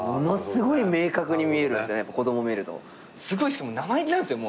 しかも生意気なんですよ